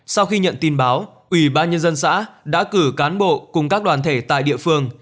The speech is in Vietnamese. sau khi nhận tin báo ủy ban nhân dân xã đã cử cán bộ cùng các đoàn thể tại địa phương